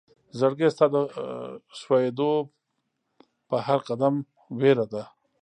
زړګيه ستا د خوئيدو په هر قدم وئيره ده